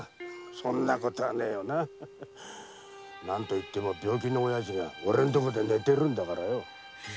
そんな事はねぇよな。なんて言っても病気のおやじがおれの所で寝てるんだからよ。